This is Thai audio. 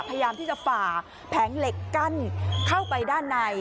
พยายามที่จะฝ่าแผงเหล็กกั้นเข้าไปด้านใน